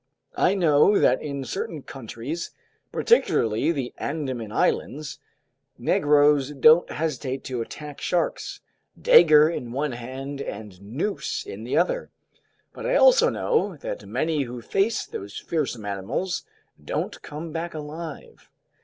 I know that in certain countries, particularly the Andaman Islands, Negroes don't hesitate to attack sharks, dagger in one hand and noose in the other; but I also know that many who face those fearsome animals don't come back alive.